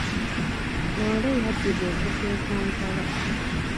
Loole yabbibwa okuva e Kampala.